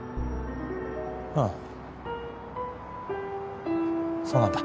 うんそうなんだ。